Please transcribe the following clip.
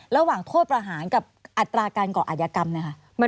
ระหว่างโทษประหารกับอัตราการก่ออาจยกรรมนะคะ